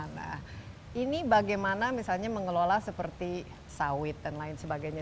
nah ini bagaimana misalnya mengelola seperti sawit dan lain sebagainya